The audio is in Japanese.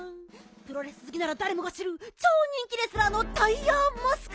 プロレスずきならだれもがしるちょうにんきレスラーのタイヤーマスク！